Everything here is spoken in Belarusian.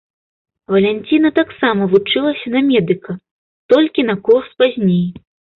Валянціна таксама вучылася на медыка, толькі на курс пазней.